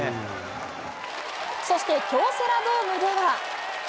そして、京セラドームでは。